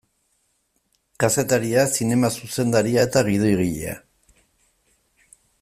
Kazetaria, zinema zuzendaria eta gidoigilea.